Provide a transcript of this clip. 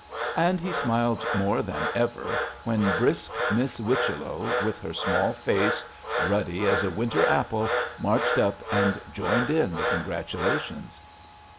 And he smiled more than ever when brisk Miss Whichello, with her small face, ruddy as a winter apple, marched up and joined in the congratulations.